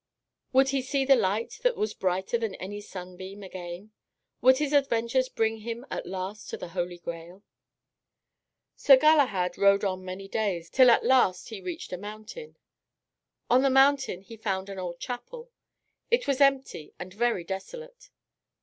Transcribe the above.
Would he see the light that was brighter than any sunbeam again? Would his adventures bring him at last to the Holy Grail? Sir Galahad rode on many days, till at last he reached a mountain. On the mountain he found an old chapel. It was empty and very desolate.